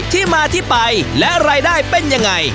ที่มาที่ไปและรายได้เป็นยังไง